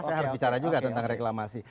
saya harus bicara juga tentang reklamasi